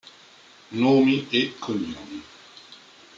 Nomi e cognomi